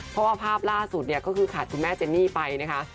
เพราะว่าภาพล่าสุดเนี่ยก็คือขาดคุณแม่เจนนี่ไปนะคะ